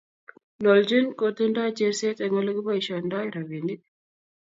Noljin kotindoi cheerset eng ole kiboishendoi robinik